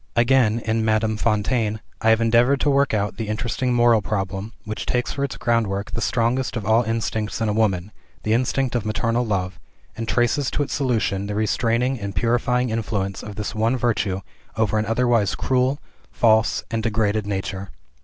Again, in "Madame Fontaine," I have endeavored to work out the interesting moral problem, which takes for its groundwork the strongest of all instincts in a woman, the instinct of maternal love, and traces to its solution the restraining and purifying influence of this one virtue over an otherwise cruel, false, and degraded nature.